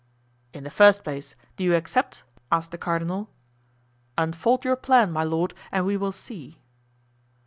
"In the first place, do you accept?" asked the cardinal. "Unfold your plan, my lord, and we will see."